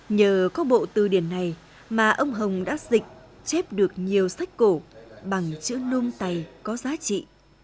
nhờ có bộ tư điển này mà ông hồng đã dịch chép được nhiều sách cổ bằng chữ nôm tày có giá trị